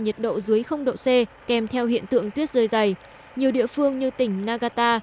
nhiệt độ dưới độ c kèm theo hiện tượng tuyết rơi dày nhiều địa phương như tỉnh nagata